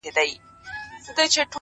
که انارگل وي او که وي د بادام گل گلونه-